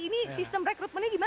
ini sistem rekrutmennya gimana